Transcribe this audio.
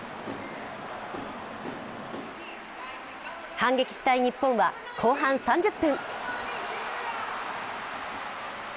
反撃したい日本は後半３０分。